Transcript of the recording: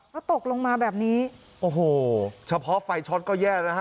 แล้วตกลงมาแบบนี้โอ้โหเฉพาะไฟช็อตก็แย่นะฮะ